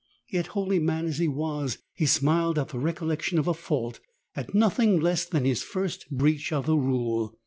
Yet, holy man as he was, he smiled at the recollection of a fault : at nothing less than his first breach of the Rule.